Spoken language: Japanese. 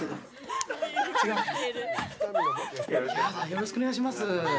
よろしくお願いします。